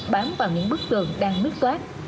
bám vào những bức tường đang mứt toát